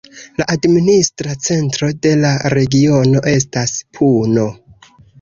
La administra centro de la regiono estas Puno.